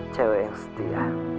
cewek yang setia